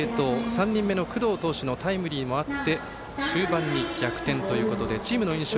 ３人目の工藤投手のタイムリーもあって終盤に逆転ということでチームの印象